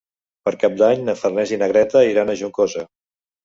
Per Cap d'Any na Farners i na Greta iran a Juncosa.